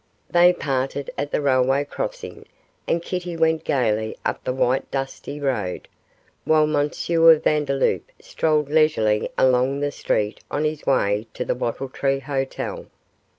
They parted at the railway crossing, and Kitty went gaily up the white dusty road, while M. Vandeloup strolled leisurely along the street on his way to the Wattle Tree Hotel.